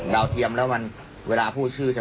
ดาวเทียมแล้วเวลาพูดชื่อใช่ป่ะ